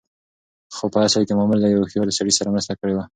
خو په اصل کې مامور له يوه هوښيار سړي سره مرسته کړې وه.